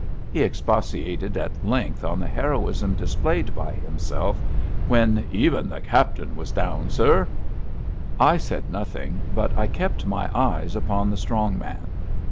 '^ He expatiated at length on the heroism displayed by himself when even the Captain was down, sir! '^ I said nothing, but I kept my eyes upon the strong man.